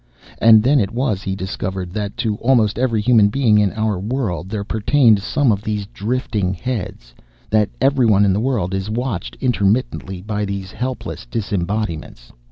And then it was he discovered, that to almost every human being in our world there pertained some of these drifting heads; that everyone in the world is watched intermittently by these helpless disembodiments.